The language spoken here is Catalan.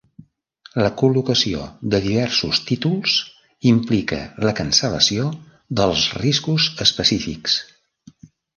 La col·locació de diversos títols implica la cancel·lació dels riscos específics.